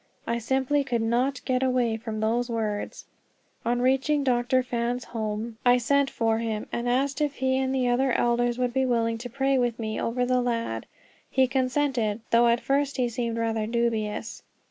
I simply could not get away from those words. On reaching Dr. Fan's home, I sent for him, and asked if he and the other elders would be willing to pray with me over the lad. He consented, though at first he seemed rather dubious.